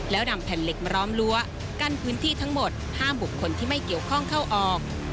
แล้วนำแผ่นเหล็กมาล้อมรั้วกั้นพื้นที่ทั้งหมดห้ามบุคคลที่ไม่เกี่ยวข้องเข้าออก